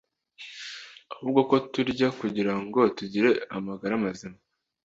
ahubwo ko turya kugira ngo tugire amagara mazima.